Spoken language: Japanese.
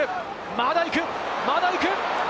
まだ行く、まだ行く！